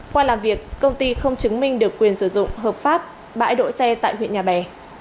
qua làm việc công ty không chứng minh được quyền sử dụng hợp pháp bãi đỗ xe tại huyện nhà bè